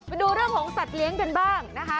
ไปดูเรื่องของสัตว์เลี้ยงกันบ้างนะคะ